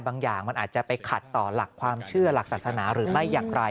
อย่างมันอาจจะไปขัดต่อหลักความเชื่อหลักศาสนาหรือไม่อย่างไร